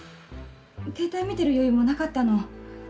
携帯見ている余裕もなかったの。